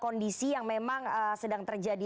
kondisi yang memang sedang terjadi